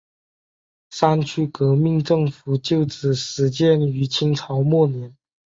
三区革命政府旧址始建于清朝末年。